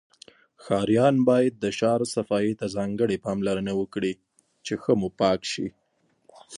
ښاریان باید د شار صفایی ته ځانګړی پاملرنه وکړی چی ښه موپاک شی